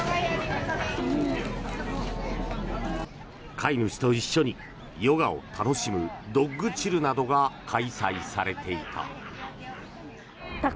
飼い主と一緒にヨガを楽しむドッグチルなどが開催されていた。